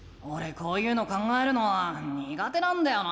こういうの考えるのはにが手なんだよな。